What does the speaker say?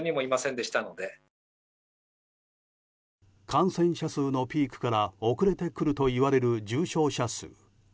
感染者数のピークから遅れてくるといわれる重症者数。